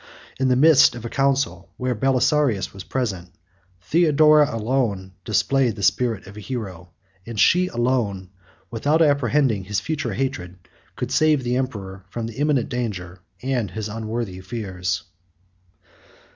In the midst of a council, where Belisarius was present, Theodora alone displayed the spirit of a hero; and she alone, without apprehending his future hatred, could save the emperor from the imminent danger, and his unworthy fears.